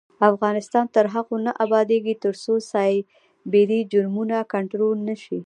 افغانستان تر هغو نه ابادیږي، ترڅو سایبري جرمونه کنټرول نشي.